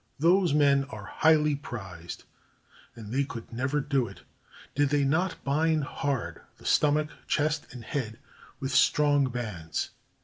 Those men are highly prized; and they could never do it, did they not bind hard the stomach, chest, and head with strong bands.